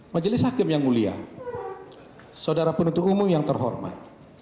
majelis hakim yang mulia saudara penuntut umum yang terhormat